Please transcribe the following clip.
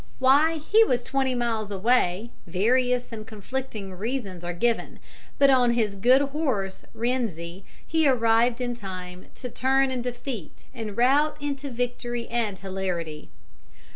Why he was twenty miles away, various and conflicting reasons are given, but on his good horse Rienzi he arrived in time to turn defeat and rout into victory and hilarity.